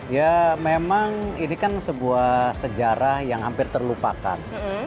ya memang ini kan sebuah sejarah yang hampir terlupakan